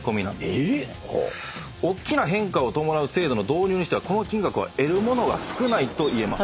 えっ⁉おっきな変化を伴う制度の導入にしてはこの金額は得るものが少ないといえます。